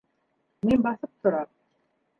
Мин баҫып торам.